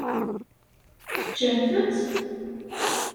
Teččamt-tt?